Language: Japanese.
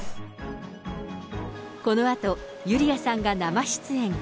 このあと、ユリアさんが生出演。